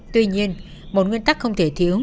tuy nhiên một nguyên tắc không thể thiếu